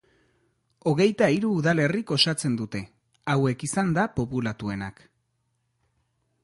Hogeita hiru udalerrik osatzen dute, hauek izanda populatuenak.